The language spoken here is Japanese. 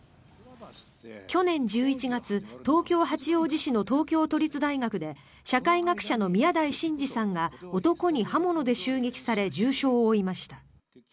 去年１１月東京・八王子市の東京都立大学で社会学者の宮台真司さんが男に刃物で襲撃され重傷を負いました。